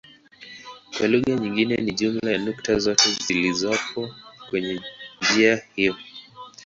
Kwa lugha nyingine ni jumla ya nukta zote zilizopo kwenye njia hiyo.